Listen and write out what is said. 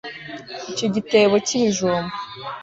Icyo gitebo cyibijumba